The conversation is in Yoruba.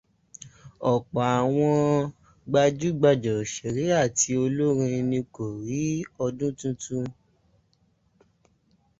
Ọ̀pọ̀ àwọn gbajúgbajà òṣèré àti olórin ni kò rí ọdún tuntun.